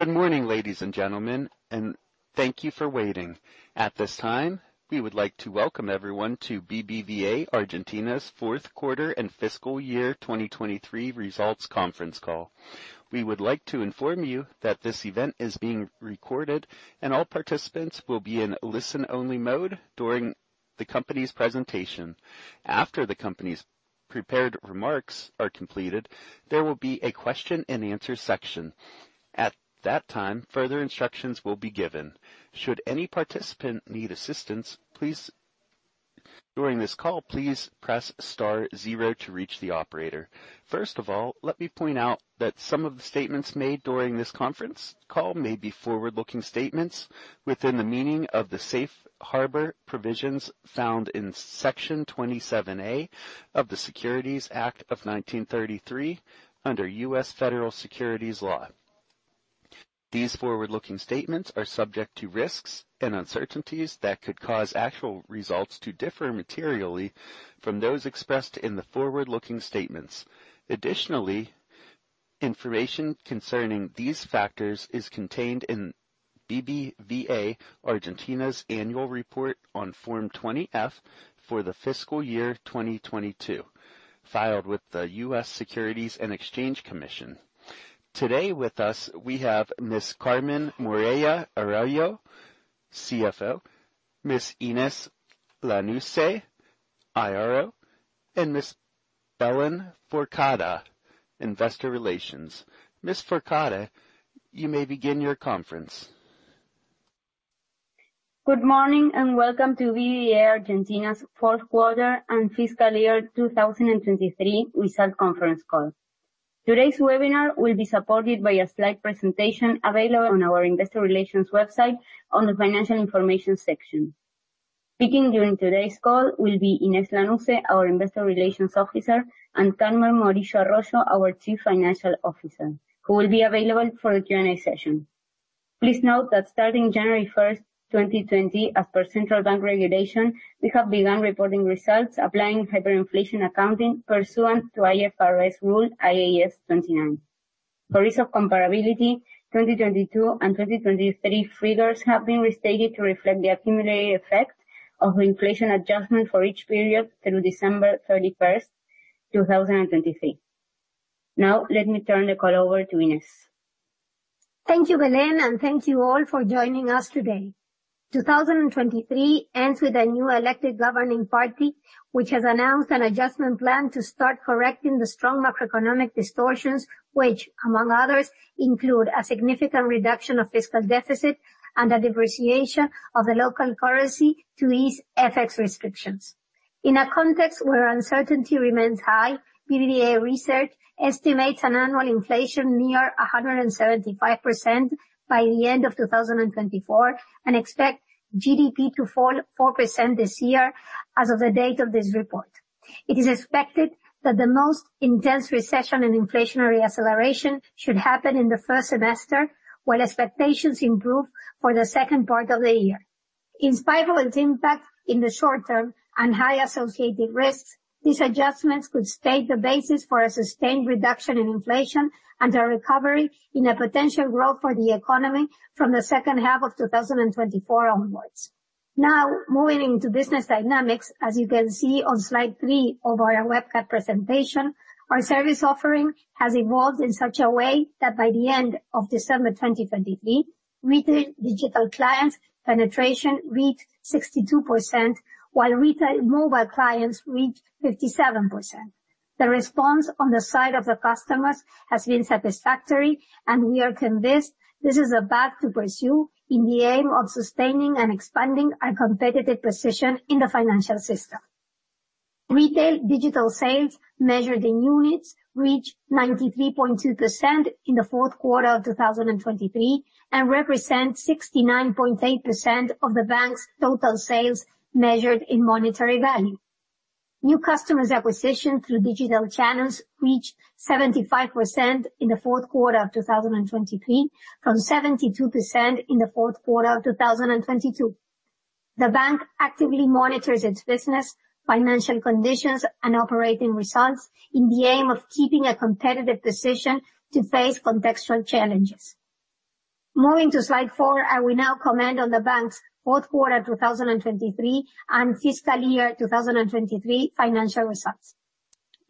Good morning, ladies and gentlemen, and thank you for waiting. At this time, we would like to welcome everyone to BBVA Argentina's fourth quarter and fiscal year 2023 results conference call. We would like to inform you that this event is being recorded, and all participants will be in listen-only mode during the company's presentation. After the company's prepared remarks are completed, there will be a question-and-answer section. At that time, further instructions will be given. Should any participant need assistance during this call, please press star zero to reach the operator. First of all, let me point out that some of the statements made during this conference call may be forward-looking statements within the meaning of the safe harbor provisions found in Section 27A of the Securities Act of 1933 under U.S. federal securities law. These forward-looking statements are subject to risks and uncertainties that could cause actual results to differ materially from those expressed in the forward-looking statements. Additionally, information concerning these factors is contained in BBVA Argentina's annual report on Form 20-F for the fiscal year 2022, filed with the U.S. Securities and Exchange Commission. Today with us, we have Ms. Carmen Morillo Arroyo, CFO; Ms. Inés Lanusse, IRO; and Ms. Belén Fourcade, Investor Relations. Ms. Fourcade, you may begin your conference. Good morning and welcome to BBVA Argentina's fourth quarter and fiscal year 2023 results conference call. Today's webinar will be supported by a slide presentation available on our Investor Relations website on the Financial Information section. Speaking during today's call will be Inés Lanusse, our Investor Relations Officer, and Carmen Morillo Arroyo, our Chief Financial Officer, who will be available for the Q&A session. Please note that starting January 1st, 2020, as per Central Bank regulation, we have begun reporting results applying hyperinflation accounting pursuant to IFRS Rule IAS 29. For reason of comparability, 2022 and 2023 figures have been restated to reflect the accumulated effect of inflation adjustment for each period through December 31st, 2023. Now, let me turn the call over to Inés. Thank you, Belén, and thank you all for joining us today. 2023 ends with a new elected governing party which has announced an adjustment plan to start correcting the strong macroeconomic distortions which, among others, include a significant reduction of fiscal deficit and a depreciation of the local currency to ease FX restrictions. In a context where uncertainty remains high, BBVA Research estimates an annual inflation near 175% by the end of 2024 and expects GDP to fall 4% this year as of the date of this report. It is expected that the most intense recession and inflationary acceleration should happen in the first semester, while expectations improve for the second part of the year. In spite of its impact in the short term and high associated risks, these adjustments could stay the basis for a sustained reduction in inflation and a recovery in a potential growth for the economy from the second half of 2024 onwards. Now, moving into business dynamics, as you can see on slide 3 of our webcast presentation, our service offering has evolved in such a way that by the end of December 2023, retail digital clients' penetration reached 62%, while retail mobile clients reached 57%. The response on the side of the customers has been satisfactory, and we are convinced this is a path to pursue in the aim of sustaining and expanding our competitive position in the financial system. Retail digital sales measured in units reached 93.2% in the fourth quarter of 2023 and represent 69.8% of the bank's total sales measured in monetary value. New customers' acquisition through digital channels reached 75% in the fourth quarter of 2023 from 72% in the fourth quarter of 2022. The bank actively monitors its business, financial conditions, and operating results in the aim of keeping a competitive position to face contextual challenges. Moving to slide four, I will now comment on the bank's fourth quarter 2023 and fiscal year 2023 financial results.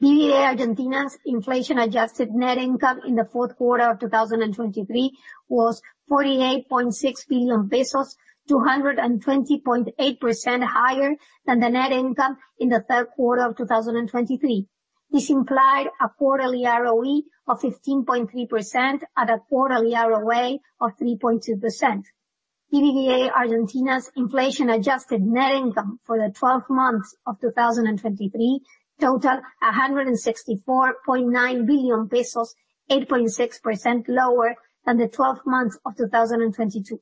BBVA Argentina's inflation-adjusted net income in the fourth quarter of 2023 was 48.6 billion pesos, 220.8% higher than the net income in the third quarter of 2023. This implied a quarterly ROE of 15.3% at a quarterly ROA of 3.2%. BBVA Argentina's inflation-adjusted net income for the 12 months of 2023 totaled ARS 164.9 billion, 8.6% lower than the 12 months of 2022.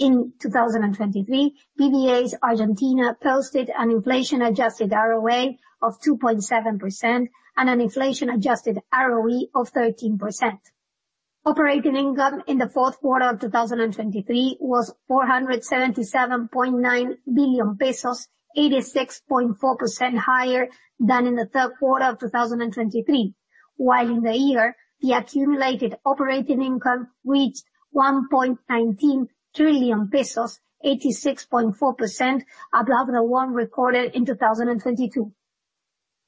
In 2023, BBVA Argentina's posted an inflation-adjusted ROA of 2.7% and an inflation-adjusted ROE of 13%. Operating income in the fourth quarter of 2023 was 477.9 billion pesos, 86.4% higher than in the third quarter of 2023, while in the year, the accumulated operating income reached 1.19 trillion pesos, 86.4% above the one recorded in 2022.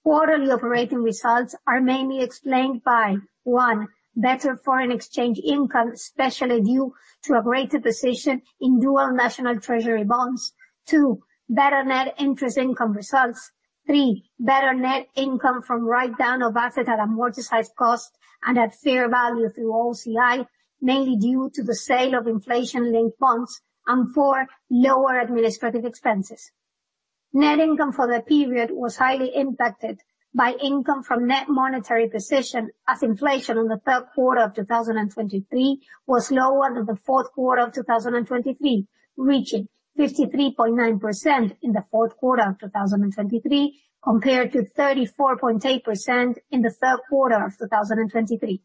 Quarterly operating results are mainly explained by one, better foreign exchange income, especially due to a greater position in Dual National Treasury bonds. Two, better net interest income results. Three, better net income from write-down of asset at amortized cost and at fair value through OCI, mainly due to the sale of inflation-linked bonds. And four, lower administrative expenses. Net income for the period was highly impacted by income from net monetary position, as inflation in the third quarter of 2023 was lower than the fourth quarter of 2023, reaching 53.9% in the fourth quarter of 2023 compared to 34.8% in the third quarter of 2023.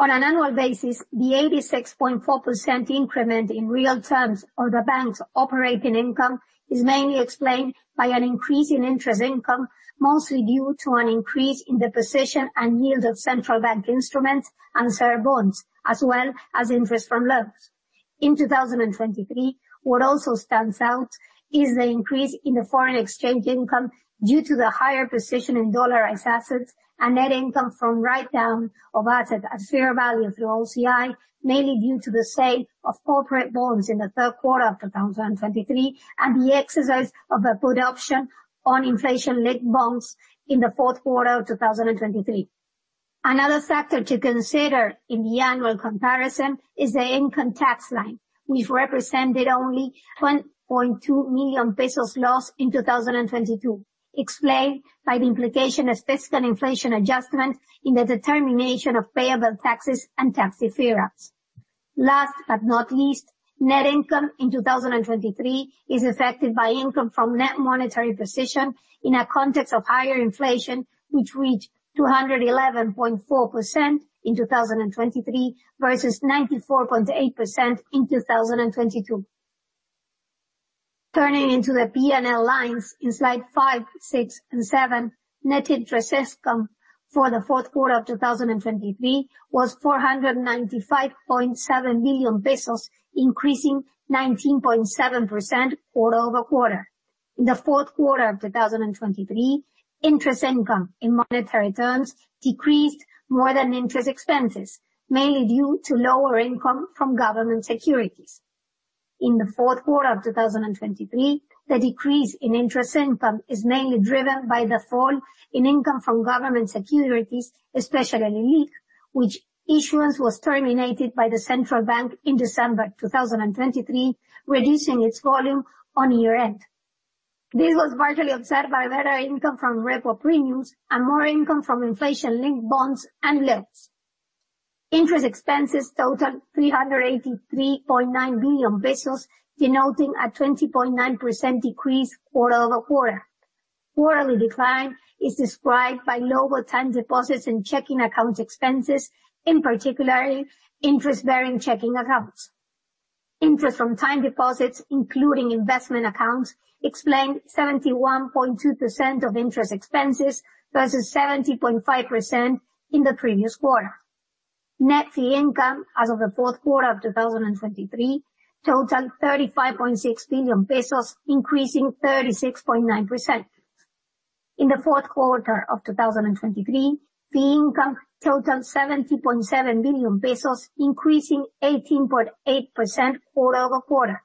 On an annual basis, the 86.4% increment in real terms of the bank's operating income is mainly explained by an increase in interest income, mostly due to an increase in the position and yield of Central Bank instruments and CER bonds, as well as interest from loans. In 2023, what also stands out is the increase in the foreign exchange income due to the higher position in dollarized assets and net income from write-down of asset at fair value through OCI, mainly due to the sale of corporate bonds in the third quarter of 2023 and the exercise of a put option on inflation-linked bonds in the fourth quarter of 2023. Another factor to consider in the annual comparison is the income tax line, which represented only 20.2 million pesos loss in 2022, explained by the implication of fiscal inflation adjustment in the determination of payable taxes and tax deferral. Last but not least, net income in 2023 is affected by income from net monetary position in a context of higher inflation, which reached 211.4% in 2023 versus 94.8% in 2022. Turning into the P&L lines in slide five, six, and seven, net interest income for the fourth quarter of 2023 was 495.7 million pesos, increasing 19.7% quarter-over-quarter. In the fourth quarter of 2023, interest income in monetary terms decreased more than interest expenses, mainly due to lower income from government securities. In the fourth quarter of 2023, the decrease in interest income is mainly driven by the fall in income from government securities, especially LELIQ, which issuance was terminated by the Central Bank in December 2023, reducing its volume on year-end. This was partially observed by better income from repo premiums and more income from inflation-linked bonds and loans. Interest expenses totaled ARS 383.9 billion, denoting a 20.9% decrease quarter-over-quarter. Quarterly decline is described by lower time deposits in checking account expenses, in particular interest-bearing checking accounts. Interest from time deposits, including investment accounts, explained 71.2% of interest expenses versus 70.5% in the previous quarter. Net fee income as of the fourth quarter of 2023 totaled 35.6 billion pesos, increasing 36.9%. In the fourth quarter of 2023, fee income totaled 70.7 billion pesos, increasing 18.8% quarter-over-quarter.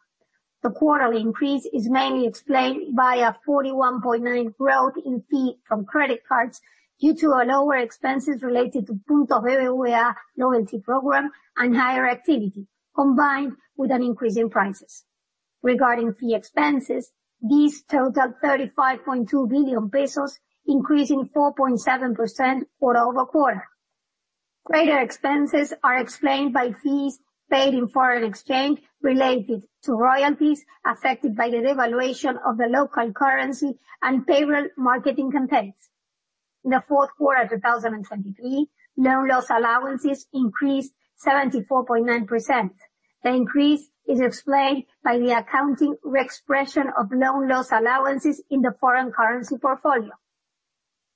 The quarterly increase is mainly explained by a 41.9% growth in fee from credit cards due to lower expenses related to Punto BBVA loyalty program and higher activity, combined with an increase in prices. Regarding fee expenses, these totaled 35.2 billion pesos, increasing 4.7% quarter-over-quarter. Greater expenses are explained by fees paid in foreign exchange related to royalties affected by the devaluation of the local currency and payroll marketing campaigns. In the fourth quarter of 2023, loan loss allowances increased 74.9%. The increase is explained by the accounting re-expression of loan loss allowances in the foreign currency portfolio.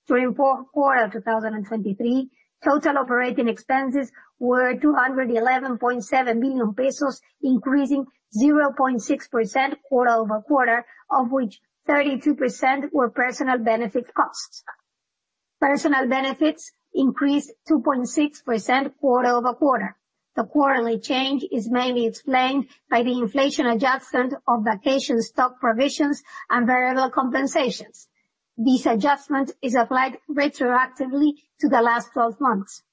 During fourth quarter of 2023, total operating expenses were 211.7 billion pesos, increasing 0.6% quarter-over-quarter, of which 32% were personnel benefits costs. Personnel benefits increased 2.6% quarter-over-quarter. The quarterly change is mainly explained by the inflation adjustment of vacation stock provisions and variable compensations. This adjustment is applied retroactively to the last 12 months.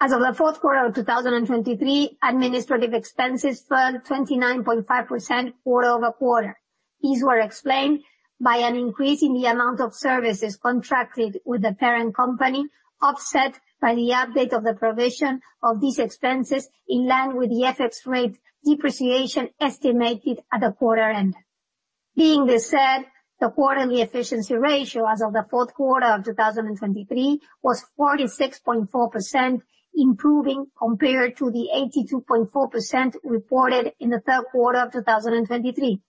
As of the fourth quarter of 2023, administrative expenses fell 29.5% quarter-over-quarter. These were explained by an increase in the amount of services contracted with the parent company, offset by the update of the provision of these expenses in line with the FX rate depreciation estimated at the quarter end. Being this said, the quarterly efficiency ratio as of the fourth quarter of 2023 was 46.4%, improving compared to the 82.4% reported in the third quarter of 2023.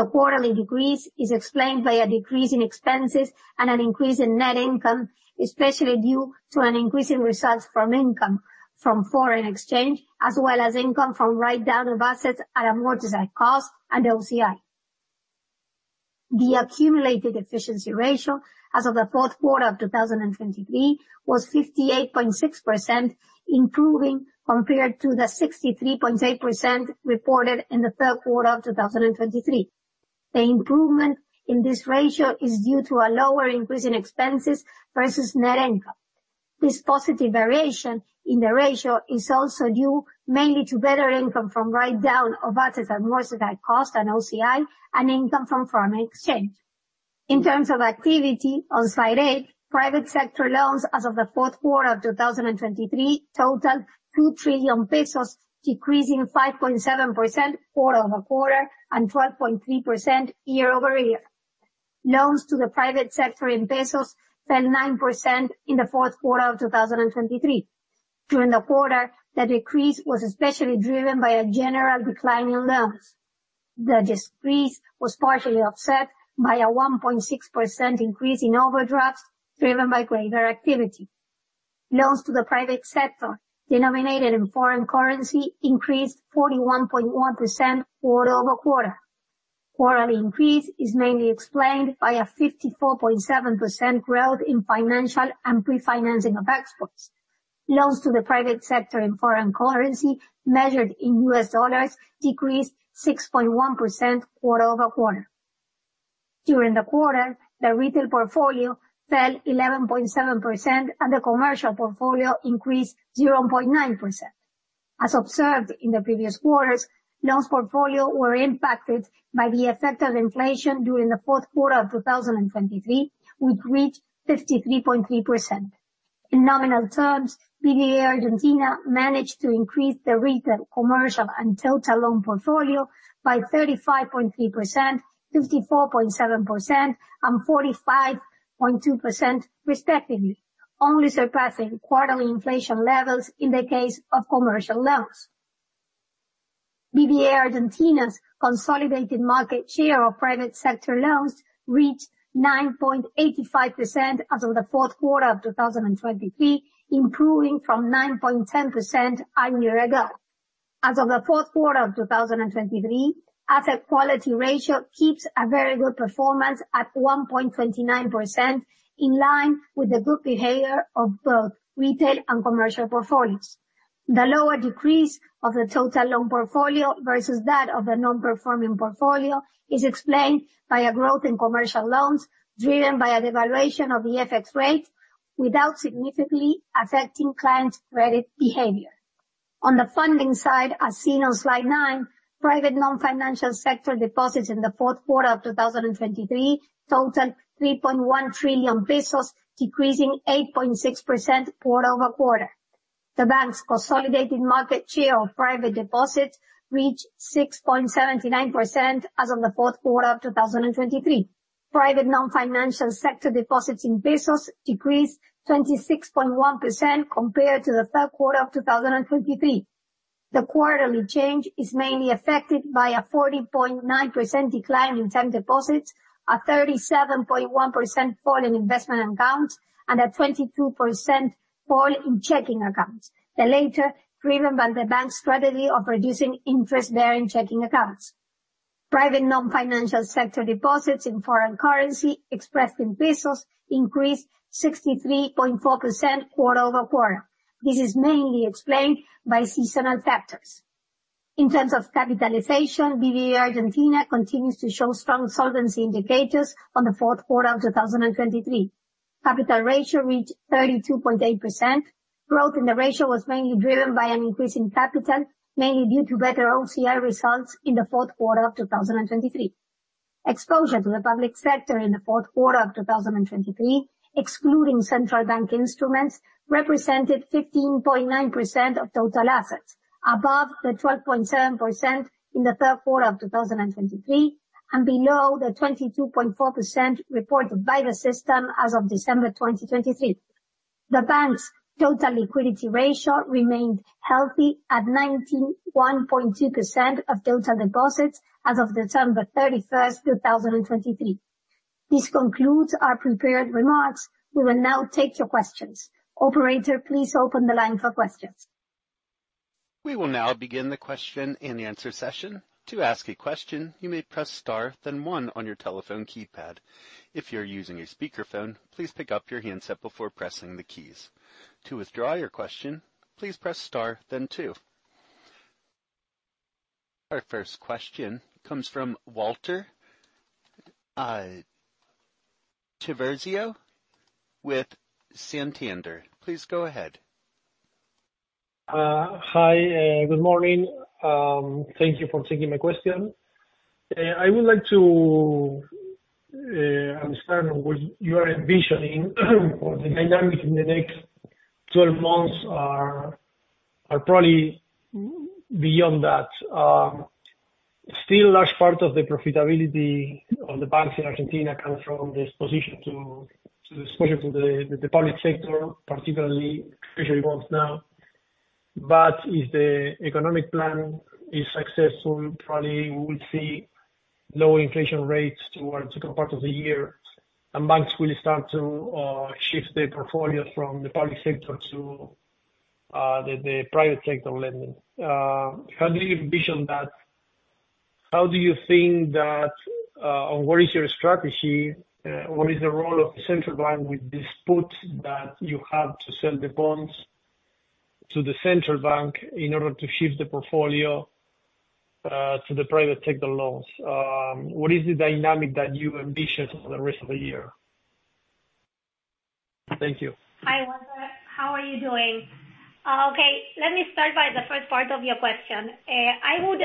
The quarterly decrease is explained by a decrease in expenses and an increase in net income, especially due to an increase in results from income from foreign exchange, as well as income from write-down of assets at amortized cost and OCI. The accumulated efficiency ratio as of the fourth quarter of 2023 was 58.6%, improving compared to the 63.8% reported in the third quarter of 2023. The improvement in this ratio is due to a lower increase in expenses versus net income. This positive variation in the ratio is also due mainly to better income from write-down of assets at amortized cost and OCI, and income from foreign exchange. In terms of activity, on slide eight, private sector loans as of the fourth quarter of 2023 totaled 2 trillion pesos, decreasing 5.7% quarter-over-quarter and 12.3% year-over-year. Loans to the private sector in pesos fell 9% in the fourth quarter of 2023. During the quarter, the decrease was especially driven by a general decline in loans. The decrease was partially offset by a 1.6% increase in overdrafts driven by greater activity. Loans to the private sector, denominated in foreign currency, increased 41.1% quarter-over-quarter. Quarterly increase is mainly explained by a 54.7% growth in financial and pre-financing of exports. Loans to the private sector in foreign currency, measured in U.S. dollars, decreased 6.1% quarter-over-quarter. During the quarter, the retail portfolio fell 11.7% and the commercial portfolio increased 0.9%. As observed in the previous quarters, loans portfolio were impacted by the effect of inflation during the fourth quarter of 2023, which reached 53.3%. In nominal terms, BBVA Argentina managed to increase the retail, commercial, and total loan portfolio by 35.3%, 54.7%, and 45.2%, respectively, only surpassing quarterly inflation levels in the case of commercial loans. BBVA Argentina's consolidated market share of private sector loans reached 9.85% as of the fourth quarter of 2023, improving from 9.10% a year ago. As of the fourth quarter of 2023, asset quality ratio keeps a very good performance at 1.29%, in line with the good behavior of both retail and commercial portfolios. The lower decrease of the total loan portfolio versus that of the non-performing portfolio is explained by a growth in commercial loans driven by a devaluation of the FX rate, without significantly affecting clients' credit behavior. On the funding side, as seen on slide 9, private non-financial sector deposits in the fourth quarter of 2023 totaled 3.1 trillion pesos, decreasing 8.6% quarter-over-quarter. The bank's consolidated market share of private deposits reached 6.79% as of the fourth quarter of 2023. Private non-financial sector deposits in pesos decreased 26.1% compared to the third quarter of 2023. The quarterly change is mainly affected by a 40.9% decline in term deposits, a 37.1% fall in investment accounts, and a 22% fall in checking accounts, the latter driven by the bank's strategy of reducing interest-bearing checking accounts. Private non-financial sector deposits in foreign currency, expressed in pesos, increased 63.4% quarter-over-quarter. This is mainly explained by seasonal factors. In terms of capitalization, BBVA Argentina continues to show strong solvency indicators on the fourth quarter of 2023. Capital ratio reached 32.8%. Growth in the ratio was mainly driven by an increase in capital, mainly due to better OCI results in the fourth quarter of 2023. Exposure to the public sector in the fourth quarter of 2023, excluding Central Bank instruments, represented 15.9% of total assets, above the 12.7% in the third quarter of 2023 and below the 22.4% reported by the system as of December 2023. The bank's total liquidity ratio remained healthy at 19.1% of total deposits as of December 31st, 2023. This concludes our prepared remarks. We will now take your questions. Operator, please open the line for questions. We will now begin the question and answer session. To ask a question, you may press star then one on your telephone keypad. If you're using a speakerphone, please pick up your handset before pressing the keys. To withdraw your question, please press star then two. Our first question comes from Walter Chiarvesio with Santander. Please go ahead. Hi, good morning. Thank you for taking my question. I would like to understand what you are envisioning for the dynamic in the next 12 months or probably beyond that. Still, a large part of the profitability of the banks in Argentina comes from the exposure to the public sector, particularly Treasury bonds now. But if the economic plan is successful, probably we'll see lower inflation rates towards the part of the year, and banks will start to shift their portfolios from the public sector to the private sector lending. How do you envision that? How do you think that, and what is your strategy? What is the role of the Central Bank with this put that you have to sell the bonds to the Central Bank in order to shift the portfolio to the private sector loans? What is the dynamic that you envision for the rest of the year? Thank you. Hi, Walter. How are you doing? Okay, let me start by the first part of your question. I would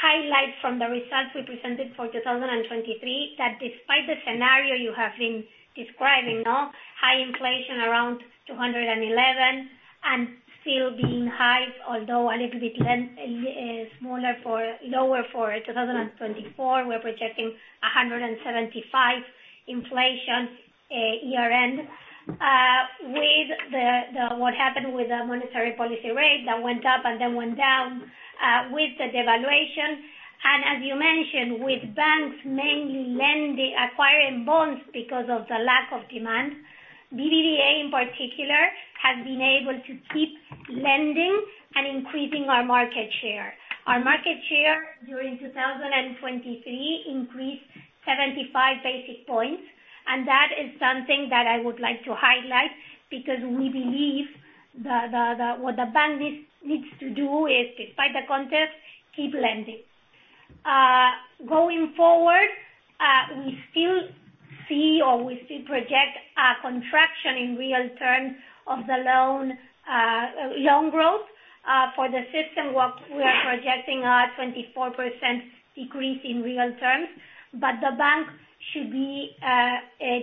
highlight from the results we presented for 2023 that despite the scenario you have been describing, no? High inflation around 211% and still being high, although a little bit less, smaller, lower for 2024. We're projecting 175% inflation, year-end. With what happened with the monetary policy rate that went up and then went down, with the devaluation. And as you mentioned, with banks mainly lending, acquiring bonds because of the lack of demand, BBVA in particular has been able to keep lending and increasing our market share. Our market share during 2023 increased 75 basis points, and that is something that I would like to highlight because we believe what the bank needs to do is, despite the context, keep lending. Going forward, we still see or we still project a contraction in real terms of the loan growth for the system. What we are projecting a 24% decrease in real terms, but the bank should be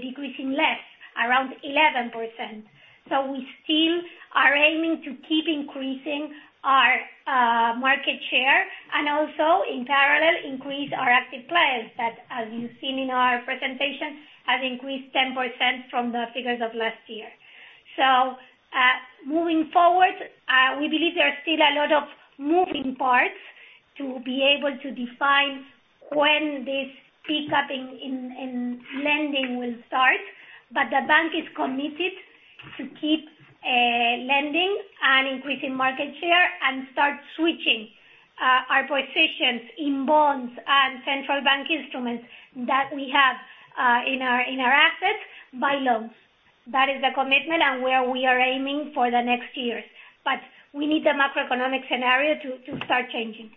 decreasing less, around 11%. So we still are aiming to keep increasing our market share and also, in parallel, increase our active clients that, as you've seen in our presentation, have increased 10% from the figures of last year. So, moving forward, we believe there are still a lot of moving parts to be able to define when this pickup in lending will start. But the bank is committed to keep lending and increasing market share and start switching our positions in bonds and Central Bank instruments that we have in our assets by loans. That is the commitment and where we are aiming for the next years. But we need the macroeconomic scenario to start changing.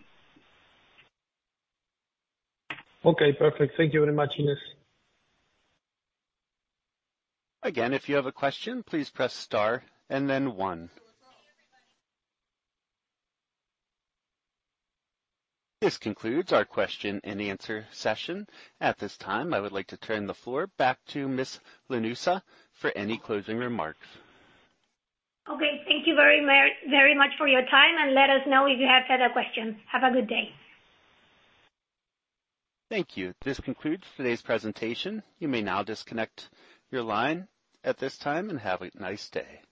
Okay, perfect. Thank you very much, Inés. Again, if you have a question, please press star and then one. This concludes our question and answer session. At this time, I would like to turn the floor back to Ms. Lanusse for any closing remarks. Okay, thank you very much for your time, and let us know if you have had a question. Have a good day. Thank you. This concludes today's presentation. You may now disconnect your line at this time and have a nice day.